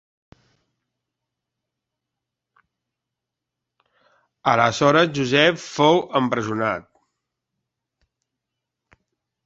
Aleshores Josep fou empresonat.